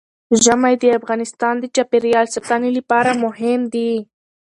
ژمی د افغانستان د چاپیریال ساتنې لپاره مهم دي.